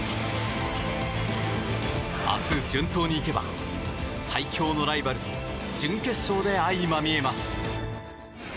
明日、順当にいけば最強のライバルと準決勝で相まみえます。